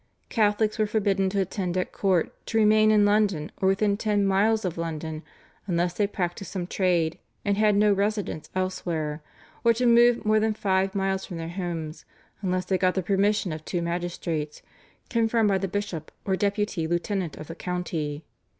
Catholics were forbidden to attend at court, to remain in London or within ten miles of London unless they practised some trade and had no residence elsewhere, or to move more than five miles from their homes unless they got the permission of two magistrates, confirmed by the bishop or deputy lieutenant of the county.